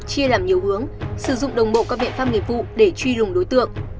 chia làm nhiều hướng sử dụng đồng bộ các biện pháp nghiệp vụ để truy lùng đối tượng